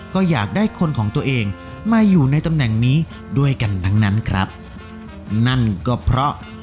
ก็อยากได้คนของตัวเองมาอยู่ในตำแหน่งนี้ด้วยกันทั้งนั้นครับนั่นก็เพราะ